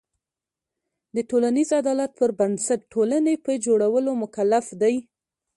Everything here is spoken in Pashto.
د ټولنیز عدالت پر بنسټ ټولنې په جوړولو مکلف دی.